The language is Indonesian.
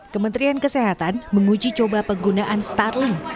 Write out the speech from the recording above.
kementerian kesehatan menguji coba penggunaan starling